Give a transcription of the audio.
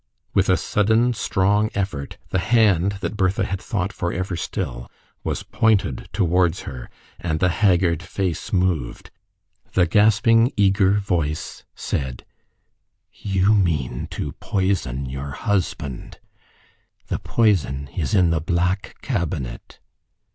With a sudden strong effort, the hand that Bertha had thought for ever still was pointed towards her, and the haggard face moved. The gasping eager voice said "You mean to poison your husband ... the poison is in the black cabinet